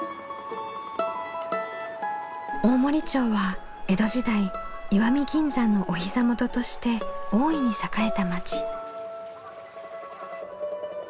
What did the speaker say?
大森町は江戸時代石見銀山のお膝元として大いに栄えた町。